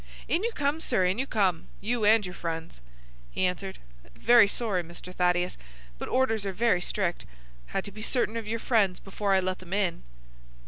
"In you come, sir, in you come,—you and your friends," he answered. "Very sorry, Mr. Thaddeus, but orders are very strict. Had to be certain of your friends before I let them in."